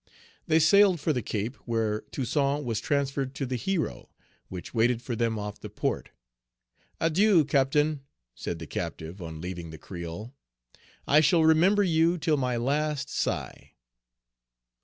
They sailed for the Cape, where Toussaint was transferred to the Hero, which waited for them off the port. "Adieu, Captain," said the captive, on leaving the Creole; "I shall remember you till my last sigh."